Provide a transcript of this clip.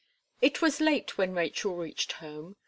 It was late when Rachel reached home.